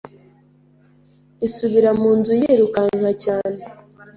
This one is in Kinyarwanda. Isubira mu nzu yirukanka cyane